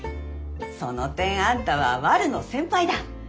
その点あんたはワルの先輩だ。